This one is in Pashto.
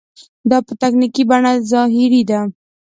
دا په تکتیکي بڼه ظاهري ده.